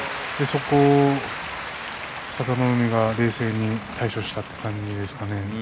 そこを佐田の海が冷静に対処したという感じですかね。